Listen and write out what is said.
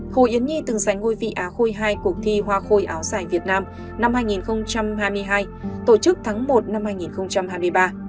hồ yến nhi từng giành ngôi vị á khôi hai cuộc thi hoa khôi áo dài việt nam năm hai nghìn hai mươi hai tổ chức tháng một năm hai nghìn hai mươi ba